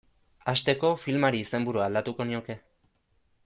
Hasteko, filmari izenburua aldatuko nioke.